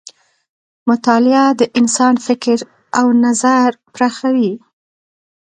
مطالعه د انسان فکر او نظر پراخوي.